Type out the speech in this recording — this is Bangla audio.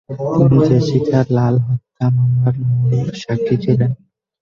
তিনি জেসিকা লাল হত্যা মামলার মূল সাক্ষী ছিলেন।